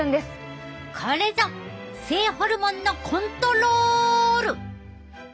これぞ性ホルモンのコントロール！